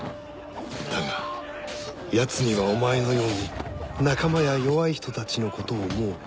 だが奴にはお前のように仲間や弱い人たちのことを思う